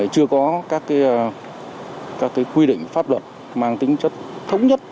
chưa có các quy định pháp luật mang tính chất thống nhất